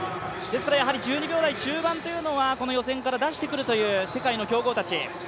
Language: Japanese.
１２秒台中盤というのは予選から出してくるという世界の強豪たち。